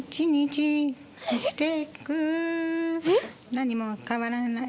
「何も変わらない」